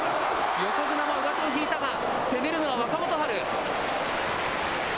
横綱も上手を引いたか攻めるのは若元春。